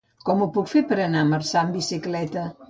Com ho puc fer per anar a Marçà amb bicicleta?